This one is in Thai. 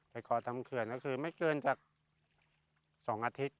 ไปก่อทำเคลื่อนแล้วคือไม่เกินจากสองอาทิตย์